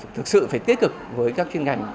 thực sự phải kết cực với các chuyên ngành